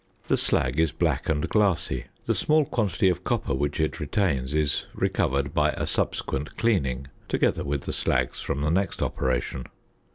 The slag is black and glassy. The small quantity of copper which it retains is recovered by a subsequent "cleaning," together with the slags from the next operation.